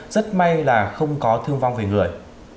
rất may là không có thương vong về người